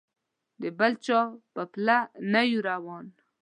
د بل چا په پله نه یو روان.